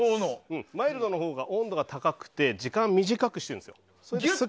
マイルドのほうが温度が高くて時間を短くしているんです。